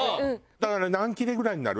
だから何切れぐらいになる？